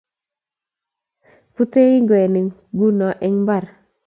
Bute ingwek kugo eng mbar